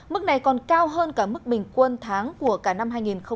mức này còn cao hơn cả mức bình quân tháng của cả năm hai nghìn một mươi chín